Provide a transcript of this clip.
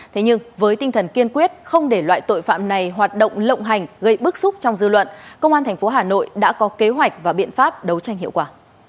thế nhưng với tinh thần kiên quyết không để loại tội phạm này hoạt động lộng hành gây bức xúc trong dư luận công an tp hà nội đã có kế hoạch và biện pháp đấu tranh hiệu quả